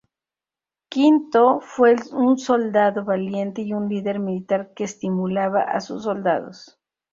Quinto fue un soldado valiente y un líder militar que estimulaba a sus soldados.